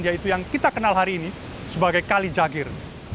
yaitu yang kita kenal hari ini sebagai kali jagir